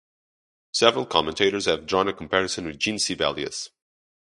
Several commentators have drawn a comparison with Jean Sibelius.